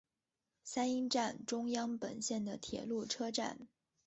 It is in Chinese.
三鹰站中央本线的铁路车站。